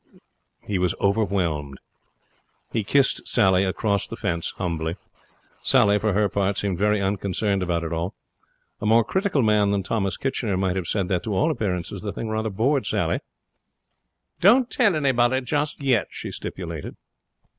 He was overwhelmed. He kissed Sally across the fence humbly. Sally, for her part, seemed very unconcerned about it all. A more critical man than Thomas Kitchener might have said that, to all appearances, the thing rather bored Sally. 'Don't tell anybody just yet,' she stipulated.